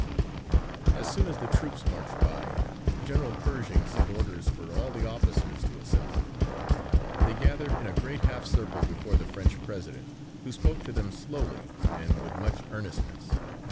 As soon as the troops marched by, General Pershing sent orders for all the officers to assemble. They gathered in a great half circle before the French President who spoke to them slowly and with much earnestness.